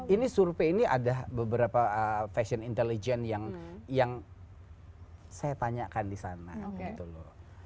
ini survei ini ada beberapa fashion intelligence yang saya tanyakan di sana gitu loh